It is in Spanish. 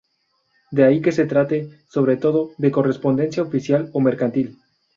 De ahí que se trate, sobre todo, de correspondencia oficial o mercantil.